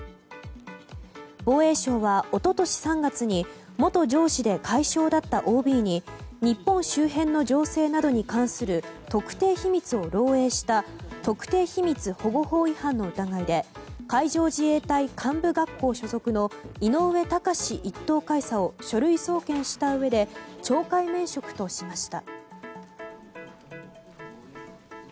防衛省は一昨年３月に元上司で海将だったＯＢに日本周辺の情勢などに関する特定秘密を漏洩した特定秘密保護法違反の疑いで海上自衛隊幹部学校所属の井上高志１等海佐を書類送検したうえで懲戒免職としました。